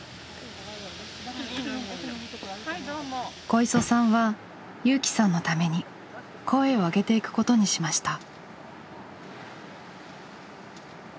小磯さんは友紀さんのために声を上げていくことにしました。